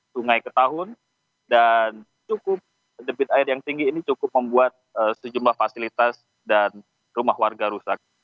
sungai ketahun dan cukup debit air yang tinggi ini cukup membuat sejumlah fasilitas dan rumah warga rusak